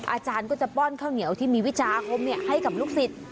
อาจารย์ก็จะป้อนข้าวเหนียวที่มีวิชาอาคมให้กับลูกศิษย์